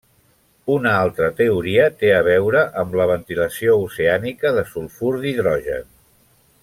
Una altra teoria té a veure amb la ventilació oceànica de sulfur d'hidrogen.